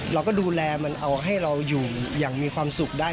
เราก็ดูแลมันเอาให้เราอยู่อย่างมีความสุขได้